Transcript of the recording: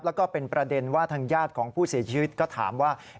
แล้วก็เป็นประเด็นว่าทางญาติของผู้เสียชีวิตก็ถามว่า